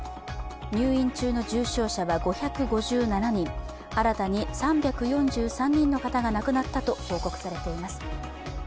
入院中の重症者は５５７人、新たに３４３人の方が亡くなったと報告されています。